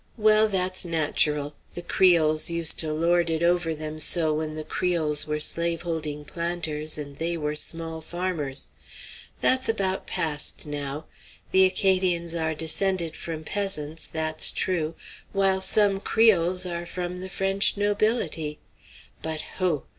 Well, that's natural; the Creoles used to lord it over them so when the Creoles were slave holding planters and they were small farmers. That's about past now. The Acadians are descended from peasants, that's true, while some Creoles are from the French nobility. But, hooh!